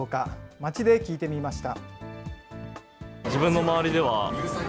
街で聞いてみました。